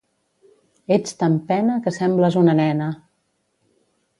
Ets tan pena que sembles una nena!